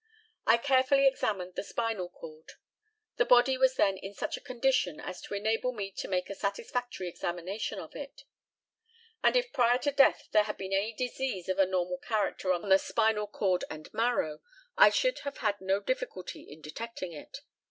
I carefully examined the spinal cord. The body was then in such a condition as to enable me to make a satisfactory examination of it; and if prior to death there had been any disease of a normal character on the spinal cord and marrow, I should have had no difficulty in detecting it.